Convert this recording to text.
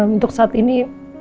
untuk saat ini